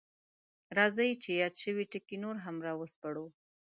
راځئ چې یاد شوي ټکي نور هم راوسپړو: